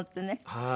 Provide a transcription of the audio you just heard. はい。